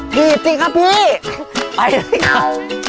กลีบจริงครับพี่ไปเลยครับ